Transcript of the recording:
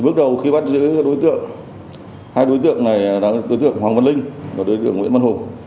bước đầu khi bắt giữ đối tượng hai đối tượng này là đối tượng hoàng văn linh và đối tượng nguyễn văn hùng